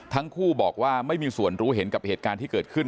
ทั้งคู่บอกว่าไม่มีส่วนรู้เห็นกับเหตุการณ์ที่เกิดขึ้น